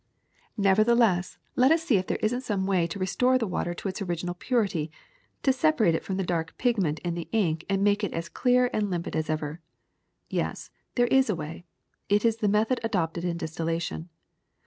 ''*^ Nevertheless let us see if there is n't some way to 236 DISTILLATION 237 restore this water to its original purity, to separate it from the dark pigment in the ink and make it as clear and limpid as ever. Yes, there is a way: it is the method adopted in distillation.